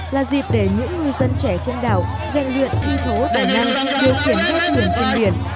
là dịp để những người dân trẻ trên đảo dành luyện thi thố tài năng điều khiển đua thuyền trên biển